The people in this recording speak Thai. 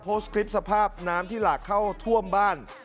โพสต์คลิปสภาพน้ำที่หลากเข้าท่วมบ้าน